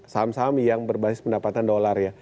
saham saham yang berbasis pendapatan dolar ya